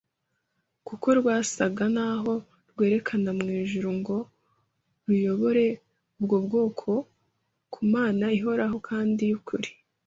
kuko rwasaga naho rwerekana mu ijuru ngo ruyobore ubwo bwoko ku Mana ihoraho kandi y'ukuri